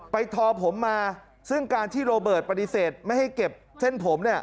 ทอผมมาซึ่งการที่โรเบิร์ตปฏิเสธไม่ให้เก็บเส้นผมเนี่ย